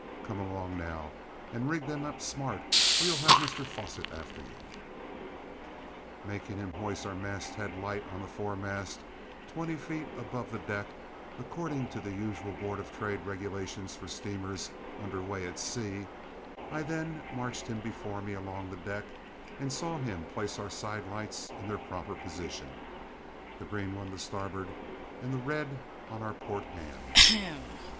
"Come along now and rig them up smart, or you'll have Mr Fosset after you." Making him hoist our masthead light on the foremast, twenty feet above the deck, according to the usual Board of Trade regulations for steamers under way at sea, I then marched him before me along the deck and saw him place our side lights in their proper position, the green one to starboard and the red on our port hand.